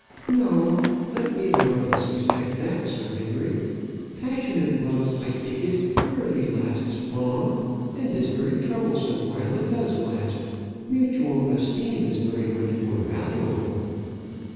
"No. Let neither of us expect that, Sir Henry. Passionate love, I take it, rarely lasts long, and is very troublesome while it does last. Mutual esteem is very much more valuable."